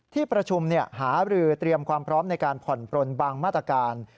ที่ประชุมหาบรือเตรียมความพร้อมในการผ่อนปลนบางมาตรการ